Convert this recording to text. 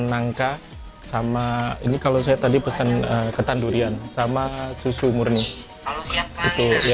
di sini itu knk ya ketan nangka ini kalau saya tadi pesan ketan durian sama susu murni